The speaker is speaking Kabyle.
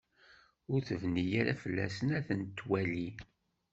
Ur tebni ara fell-asen ad ten-twali.